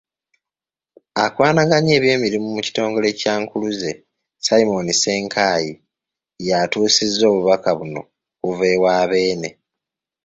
Akwanaganya eby'emirimu mu kitongole kya Nkuluze, Simon Ssenkaayi y'atuusizza obubaka buno okuva ewa Beene.